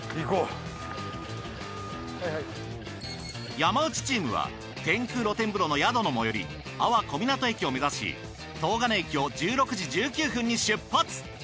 山内チームは天空露天風呂の宿の最寄り安房小湊駅を目指し東金駅を１６時１９分に出発。